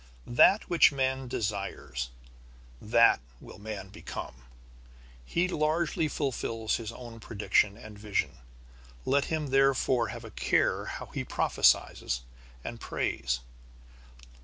That which man desires, that will man become. He largely fulfils his own prediction and vision. Let him therefore have a care how he prophesies and prays.